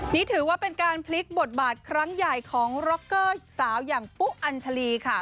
นี่ถือว่าเป็นการพลิกบทบาทครั้งใหญ่ของร็อกเกอร์สาวอย่างปุ๊อัญชาลีค่ะ